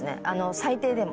最低でも。